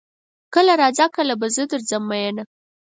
کله راځه کله به زه درځم ميينه